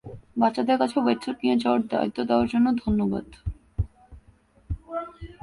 বাচ্চাদের কাছে ওয়েটস্যুট নিয়ে যাওয়ার দায়িত্ব দেয়ার জন্য ধন্যবাদ।